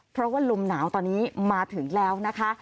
เพราะว่าลมหนาวตอนนี้มาถึงแล้วนะคะ